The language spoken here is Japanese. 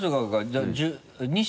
じゃあ。